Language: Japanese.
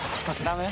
ダメ？